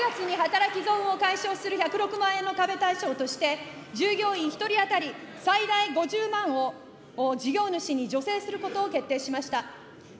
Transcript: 政府は９月に働き損を解消する１０６万円の壁対象として、従業員１人当たり最大５０万を事業主に助成することを決定しました。